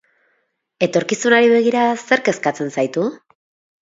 Etorkizunari begira, zerk kezkatzen zaitu?